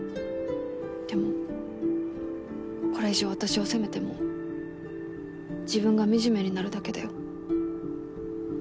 でもこれ以上私を責めても自分が惨めになるだけだよ。